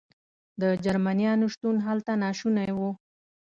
د جرمنیانو شتون هلته ناشونی و.